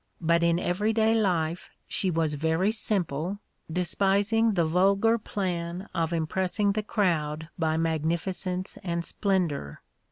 But in every day life she was very simple, despising the vulgar plan of impressing the crowd by magnificence and splendour.